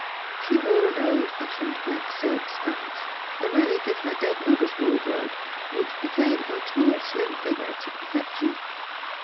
She wore an old fashioned black silk scarf, a relic of her dead mother's wardrobe, which became her tall slim figure to perfec tion.